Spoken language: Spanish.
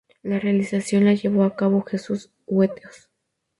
La realización la llevó a cabo Jesús Huetos.